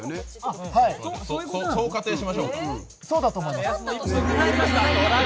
そう仮定しましょうか。